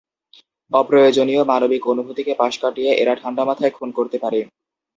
অপ্রয়োজনীয় মানবিক অনুভূতিকে পাশ কাটিয়ে এরা ঠান্ডা মাথায় খুন করতে পারে।